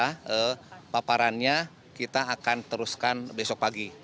kemungkinan saja kita akan teruskan besok pagi